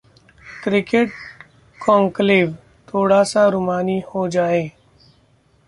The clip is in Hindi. क्रिकेट कॉनक्लेव: थोड़ा-सा रूमानी हो जाएं